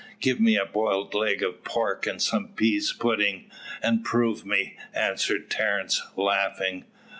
"Give me a boiled leg of pork, and some pease pudding, and prove me," answered Terence, laughing.